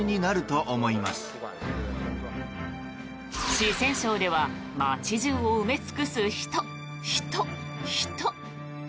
四川省では街中を埋め尽くす人、人、人。